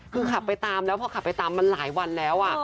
คือขับไปตามแล้วพอขับไปตามมันหลายวันแล้ว